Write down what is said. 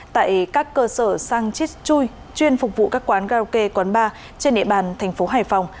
tại các cơ sở sang chiết chui chuyên phục vụ các quán karaoke quán bar trên địa bàn thành phố hải phòng